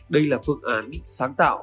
đây là phương án sáng tạo